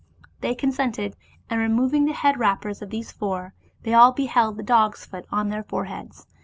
They consented, and removing the head wrappers of these four, they all beheld the dog's foot on their foreheads.